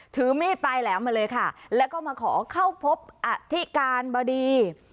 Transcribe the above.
ถือมีดไปแล้วมาเลยค่ะแล้วก็มาขอเข้าพบอาทิการบ่ดี